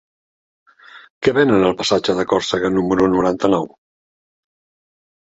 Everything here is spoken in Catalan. Què venen al passatge de Còrsega número noranta-nou?